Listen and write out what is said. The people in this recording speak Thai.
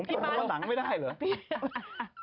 ผมปะลองน้างไม่ได้เหรอ